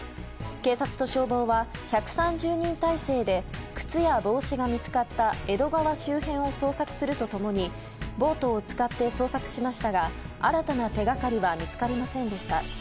警察と消防は１３０人態勢で靴や帽子が見つかった江戸川周辺を捜索すると共にボートを使って捜索しましたが新たな手掛かりは見つかりませんでした。